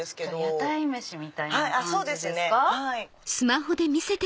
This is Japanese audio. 屋台飯みたいな感じですか。